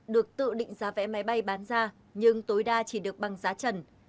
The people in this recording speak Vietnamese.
được tự định giá vé máy bay bán ra nhưng tối đa chỉ được bằng giá trần